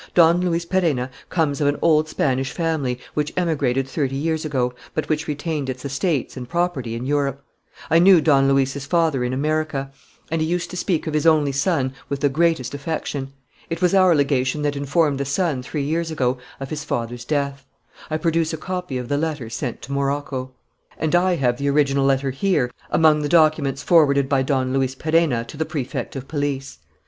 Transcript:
Don Luis Perenna comes of an old Spanish family which emigrated thirty years ago, but which retained its estates and property in Europe. I knew Don Luis's father in America; and he used to speak of his only son with the greatest affection. It was our legation that informed the son, three years ago, of his father's death. I produce a copy of the letter sent to Morocco." "And I have the original letter here, among the documents forwarded by Don Luis Perenna to the Prefect of Police.